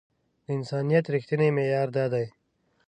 د انسانيت رښتينی معيار دا دی.